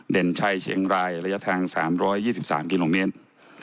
เด่นชัยเชียงรายระยะทาง๓๒๓กิโลเมตร